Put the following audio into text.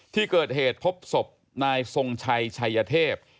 ที่เกิดเหตุพบศพนายทรงชัยชัยเทพ